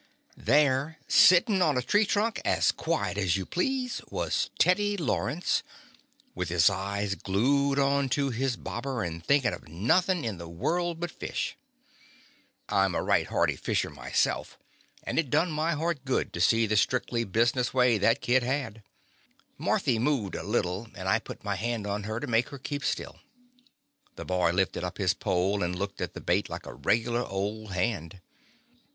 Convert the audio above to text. There, sittin' on a tree trunk, as quiet as you please, was Teddy Law rence, with his eyes glued on to his bobber, and thinkin' of nothing in the world but fish. I 'm a right hearty fisher myself, and it done my heart The Confessions of a Daddy good to see the strictly business way that kid had. Marthy moved a little, and I put my hand on her to make her keep still. The boy lifted up his pole and looked at the bait like a regular old hand.